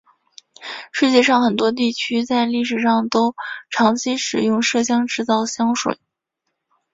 世界上很多地区在历史上都长期使用麝香制造香水。